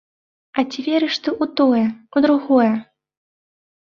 А ці верыш ты ў тое, у другое?